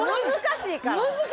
難しいから。